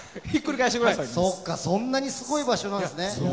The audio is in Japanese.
そんなにすごい場所なんですね。